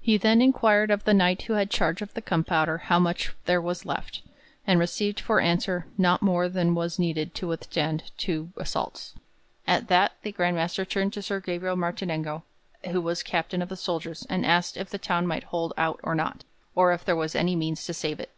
He then inquired of the Knight who had charge of the gunpowder how much there was left, and received for answer 'not more than was needed to withstand two assaults.' At that the Grand Master turned to Sir Gabriel Martinengo, who was Captain of the soldiers, and asked if the town might hold out or not, or if there were any means to save it.